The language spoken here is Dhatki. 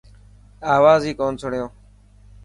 آواز هئي ڪون سڻيو.